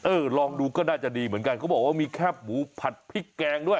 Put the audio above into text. ลองดูก็น่าจะดีเหมือนกันเขาบอกว่ามีแคบหมูผัดพริกแกงด้วย